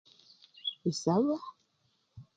Isaaba.